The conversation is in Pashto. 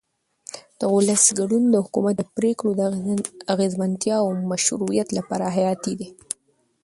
د ولس ګډون د حکومت د پرېکړو د اغیزمنتیا او مشروعیت لپاره حیاتي دی